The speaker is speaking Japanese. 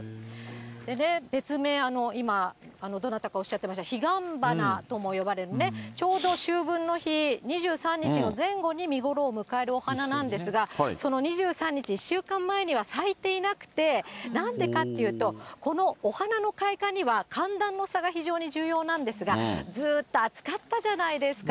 でね、別名、今、どなたかおっしゃってました、彼岸花とも呼ばれる、ちょうど秋分の日、２３日の前後に見頃を迎えるお花なんですが、その２３日、１週間前には咲いていなくて、なんでかっていうと、このお花の開花には、寒暖の差が非常に重要なんですが、ずっと暑かったじゃないですか。